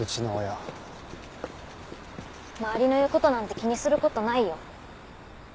周りの言う事なんて気にする事ないよ。